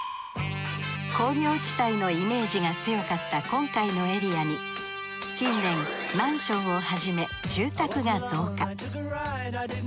工業地帯のイメージが強かった今回のエリアに近年マンションをはじめ住宅が増加。